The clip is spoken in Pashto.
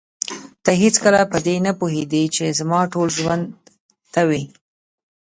ته هېڅکله په دې نه پوهېدې چې زما ټول ژوند ته وې.